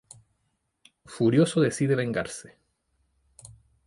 Furioso decide vengarse.